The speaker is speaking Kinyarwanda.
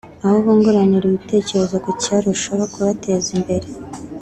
aho bunguranira n’ibitekerezo kucyarushaho kubateza imbere